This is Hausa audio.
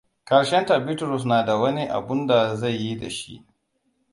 Karshenta Bitrus na da wani abunda zai yi da shi.